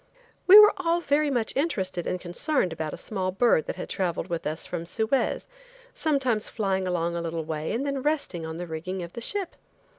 We were all very much interested and concerned about a small bird that had traveled with us from Suez, sometimes flying along a little way and then resting on the rigging of the ship.